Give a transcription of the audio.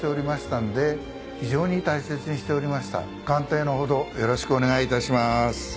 鑑定のほどよろしくお願いいたします。